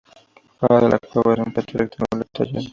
Fuera de la cueva es un patio rectangular tallada.